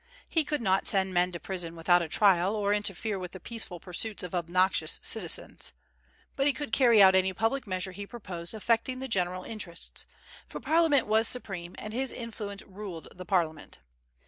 He could not send men to prison without a trial, or interfere with the peaceful pursuits of obnoxious citizens; but he could carry out any public measure he proposed affecting the general interests, for Parliament was supreme, and his influence ruled the Parliament.